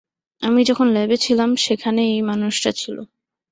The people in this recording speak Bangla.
আমি যখন ল্যাবে ছিলাম, সেখানে এই মানুষটা ছিল।